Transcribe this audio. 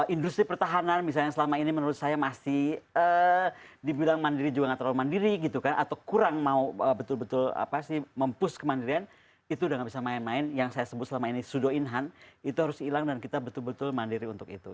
industri pertahanan misalnya yang selama ini menurut saya masih dibilang mandiri juga nggak terlalu mandiri gitu kan atau kurang mau betul betul apa sih mempush kemandirian itu udah nggak bisa main main yang saya sebut selama ini sudo inhan itu harus hilang dan kita betul betul mandiri untuk itu